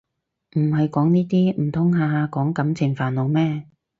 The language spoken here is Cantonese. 唔係講呢啲唔通下下講感情煩惱咩